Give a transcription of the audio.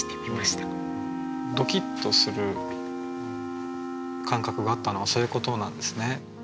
ドキッとする感覚があったのはそういうことなんですね。